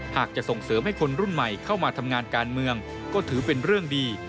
จะส่งเสริมให้คนรุ่นใหม่เข้ามาทำงานการเมืองก็ถือเป็นเรื่องดี